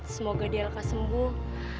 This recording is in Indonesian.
semoga dia lekas sembuh